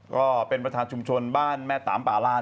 ก็เป็นประธานชุมชนบ้านแม่ตามป่าลาน